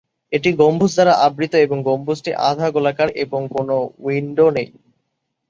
এটি গম্বুজ দ্বারা আবৃত এবং গম্বুজটি আধা-গোলাকার এবং কোনও উইন্ডো নেই।